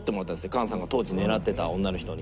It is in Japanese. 菅さんが当時狙ってた女の人に。